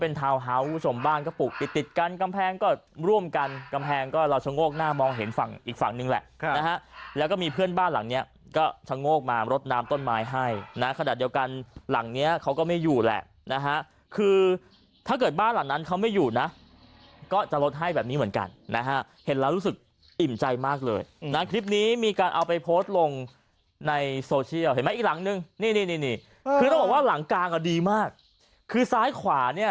เป็นทาวน์ฮาวสมบ้านกระปุกติดติดกันกำแพงก็ร่วมกันกำแพงก็เราชงโรคหน้ามองเห็นฝั่งอีกฝั่งนึงแหละนะฮะแล้วก็มีเพื่อนบ้านหลังเนี้ยก็ชงโรคมารดน้ำต้นไม้ให้นะขณะเดียวกันหลังเนี้ยเขาก็ไม่อยู่แหละนะฮะคือถ้าเกิดบ้านหลังนั้นเขาไม่อยู่นะก็จะรดให้แบบนี้เหมือนกันนะฮะเห็นแล้วรู้สึก